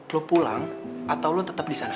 lo pulang atau lo tetap di sana